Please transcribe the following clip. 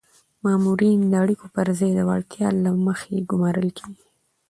مامورین د اړیکو پر ځای د وړتیا له مخې ګمارل کیږي.